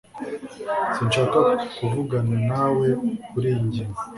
sinshaka kuvugana nawe kuriyi ngingo